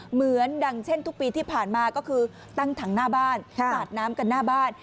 เหมือนดังเช่นทุกปีที่ผ่านมาก็คือตั้งถังหน้าบ้านสาดน้ำกันหน้าบ้าน